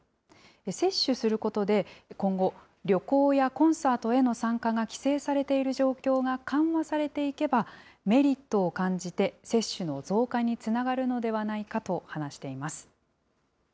接種することで、今後、旅行やコンサートへの参加が規制されている状況が緩和されていけば、メリットを感じて、接種の増加につながるのではないかと話しています。